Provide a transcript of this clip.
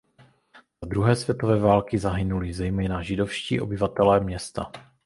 Za druhé světové války zahynuli zejména židovští obyvatelé města.